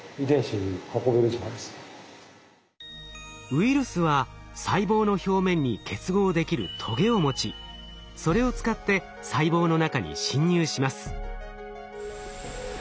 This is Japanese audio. ウイルスは細胞の表面に結合できるトゲを持ちそれを使って細胞の中に侵入します。